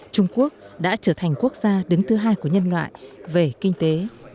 trở thành quốc gia đứng thứ hai của nhân loại về kinh tế